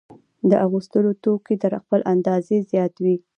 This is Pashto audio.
د اغوستلو توکي تر خپلې اندازې زیات وي